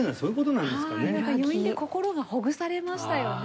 なんか余韻で心がほぐされましたよね。